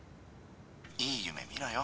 いい夢見ろよ。